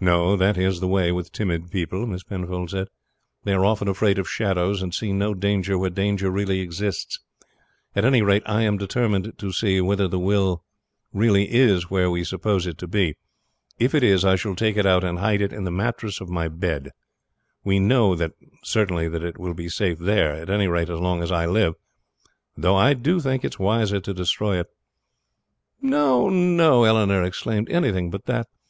"No; that is the way with timid people," Miss Penfold said. "They are often afraid of shadows, and see no danger where danger really exists. At any rate, I am determined to see whether the will really is where we suppose it to be. If it is I shall take it out and hide it in the mattress of my bed. We know that it will be safe there at any rate as long as I live, though I think it wiser to destroy it." "No, no," Eleanor exclaimed; "anything but that.